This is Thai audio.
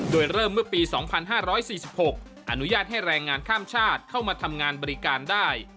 โดยเริ่มเมื่อปี๒๕๔๖อนุญาตให้แรงงานข้ามชาติเข้ามาทำงานบริการได้